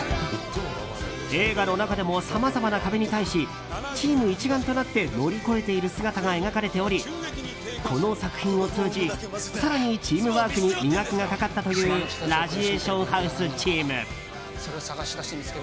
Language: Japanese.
映画の中でもさまざまな壁に対しチーム一丸となって乗り越えている姿が描かれておりこの作品を通じ更にチームワークに磨きがかかったという「ラジエーションハウス」チーム。